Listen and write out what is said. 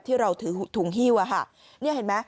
ที่เราถือถุงฮีีว